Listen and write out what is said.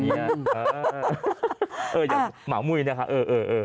เออเหมือนหมามุยนะครับเออ